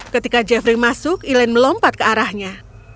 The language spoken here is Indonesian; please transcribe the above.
ketika jeffrey masuk elaine melompat ke arahnya